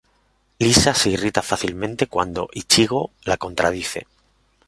Lisa se irrita fácilmente cuando Ichigo la contradice.